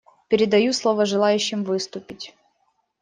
Передаю слово желающим выступить.